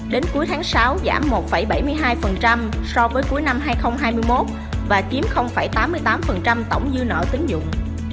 đến cuối tháng sáu giảm một bảy mươi hai so với cuối năm hai nghìn hai mươi một và chiếm tám mươi tám tổng dư nợ tính dụng